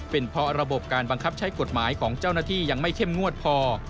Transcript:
เป็นเพราะระบบการบังคับใช้กฎหมายของเจ้าหน้าที่ยังไม่เข้มงวดพอ